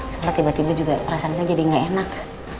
soalnya tiba tiba juga perasaan saya jadi nggak enak